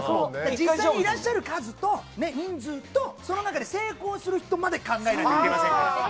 実際にいらっしゃる数と、人数と、その中で成功する人まで考えなきゃいけませんから。